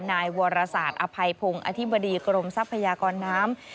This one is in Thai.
นายวรศาสตร์อภัยพงศ์อธิบดีกรมทรัพยากรน้ำ